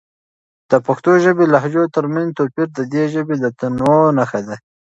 د پښتو ژبې لهجو ترمنځ توپیر د دې ژبې د تنوع نښه ده.